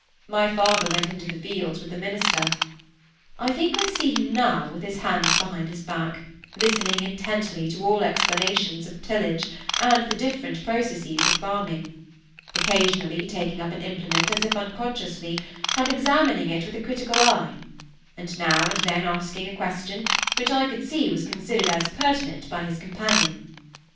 My father went into the fields with the minister; I think I see him now, with his hands behind his back, listening intently to all explanations of tillage, and the different processes of farming; occasionally taking up an implement, as if unconsciously, and examining it with a critical eye, and now and then asking a question, which I could see was considered as pertinent by his companion.